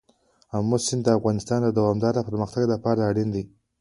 آمو سیند د افغانستان د دوامداره پرمختګ لپاره اړین دي.